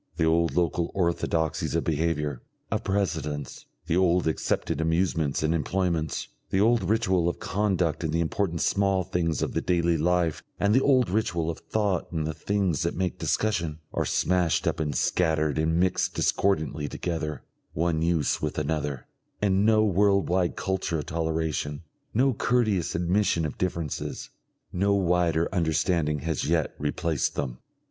The old local orthodoxies of behaviour, of precedence, the old accepted amusements and employments, the old ritual of conduct in the important small things of the daily life and the old ritual of thought in the things that make discussion, are smashed up and scattered and mixed discordantly together, one use with another, and no world wide culture of toleration, no courteous admission of differences, no wider understanding has yet replaced them.